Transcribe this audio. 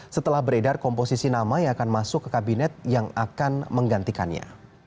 setelah beredar komposisi nama yang akan masuk ke kabinet yang akan menggantikannya